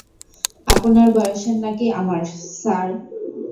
আপনার বয়সের নাকি আমার, স্যার?